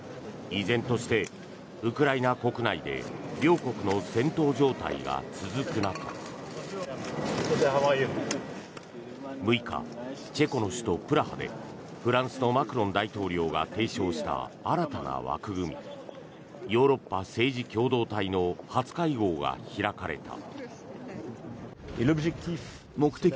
依然としてウクライナ国内で両国の戦闘状態が続く中６日、チェコの首都プラハでフランスのマクロン大統領が提唱した新たな枠組みヨーロッパ政治共同体の初会合が開かれた。